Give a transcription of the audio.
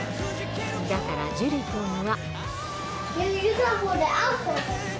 だからジュリくんは。